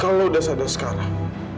kalau udah sadar sekarang